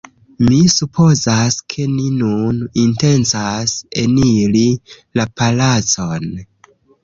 Mi supozas, ke ni nun intencas eniri la palacon